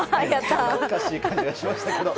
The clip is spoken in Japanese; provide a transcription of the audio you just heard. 懐かしい感じがしましたけども。